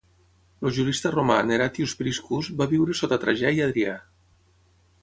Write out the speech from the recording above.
El jurista romà Neratius Priscus va viure sota Trajà i Adrià.